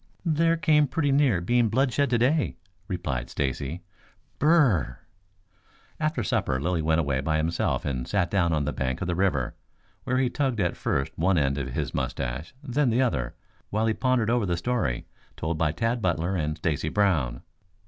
"There came pretty near being bloodshed today," replied Stacy. "Br r r r!" After supper Lilly went away by himself and sat down on the bank of the river, where he tugged at first one end of his moustache, then the other, while he pondered over the story told by Tad Butler and Stacy Brown.